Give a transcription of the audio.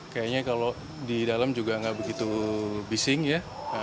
kayaknya kalau di dalam juga nggak begitu bising ya